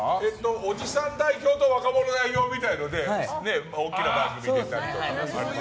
おじさん代表と若者代表みたいな大きな番組に出たりとか。